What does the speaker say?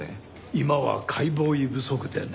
今は解剖医不足でね。